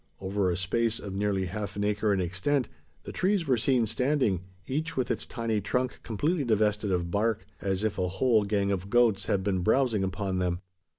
Over a space, of nearly half an acre in extent, the trees were seen standing, each with its tiny trunk completely divested of bark: as if a whole gang of goats had been browsing upon them!